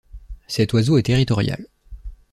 Cet oiseau est territorial.